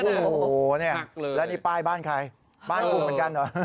โอ้โหเนี่ยแล้วนี่ป้ายบ้านใครบ้านกูเหมือนกันเหรอ